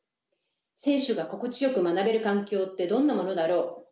選手が心地よく学べる環境ってどんなものだろう？